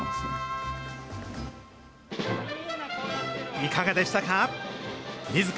いかがでしたか？